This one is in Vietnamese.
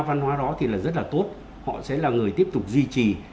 văn hóa đó thì là rất là tốt họ sẽ là người tiếp tục duy trì